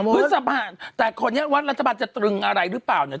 พฤษภาแต่คนนี้ว่ารัฐบาลจะตรึงอะไรหรือเปล่าเนี่ย